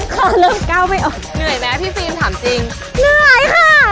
คอเริ่มก้าวไม่ออกเหนื่อยไหมพี่ฟิล์มถามจริงเหนื่อยค่ะ